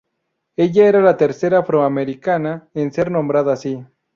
Ella era la tercera afroamericana en ser nombrada así.